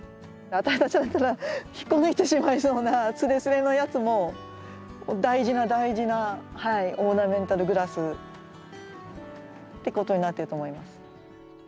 私たちだったら引っこ抜いてしまいそうなすれすれのやつも大事な大事なオーナメンタルグラスってことになってると思います。